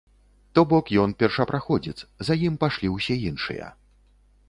То бок, ён першапраходзец, за ім пайшлі ўсе іншыя.